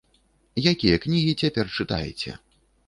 Якія кнігі цяпер чытаеце?